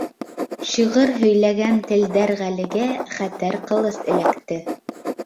Шиғыр һөйләгән Телдәр Ғәлегә хәтәр ҡылыс эләкте.